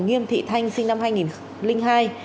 nghiêm thị thanh sinh năm hai nghìn hai